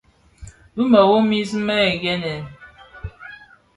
Bi mëru mis më gènè.